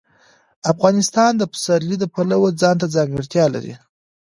افغانستان د پسرلی د پلوه ځانته ځانګړتیا لري.